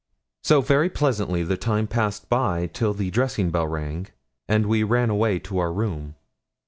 So very pleasantly the time passed by till the dressing bell rang, and we ran away to our room.